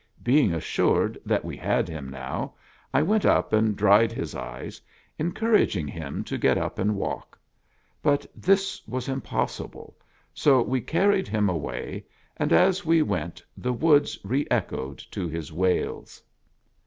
Being assured that we had him now, I went up and dried his eyes, encouraging him to get up and walk ; but this was impossible, so we carried him away, and as we went the woods re echoed to his wails.